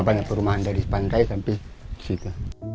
banyak perumahan dari pantai sampai situ